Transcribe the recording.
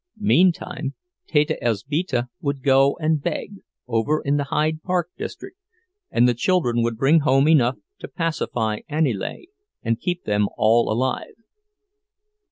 Meantime, Teta Elzbieta would go and beg, over in the Hyde Park district, and the children would bring home enough to pacify Aniele, and keep them all alive.